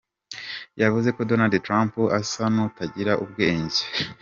Yavuze ko Donald Trump asa n’utagira ubwenge.